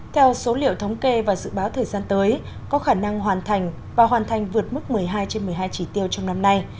theo số liệu thống kê và dự báo thời gian tới có khả năng hoàn thành và hoàn thành vượt mức một mươi hai trên một mươi hai chỉ tiêu trong năm nay